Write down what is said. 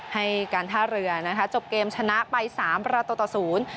ให้การท่าเรือนะคะจบเกมชนะไปสามประตูต่อศูนย์